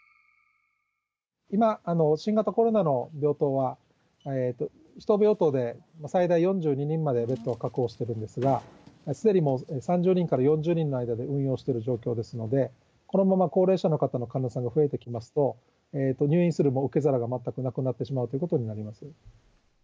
今、新型コロナの病棟は、１病棟で最大４２人までベッドを確保しているんですが、すでにもう３０人から４０人の間で運用している状況ですので、このまま高齢者の方の患者さんが増えていきますと、入院する受け皿が全くなくなってしまうということになります。